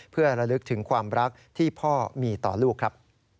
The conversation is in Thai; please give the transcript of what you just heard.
เพื่อระลึกถึงความรักที่พ่อมีต่อลูกครับ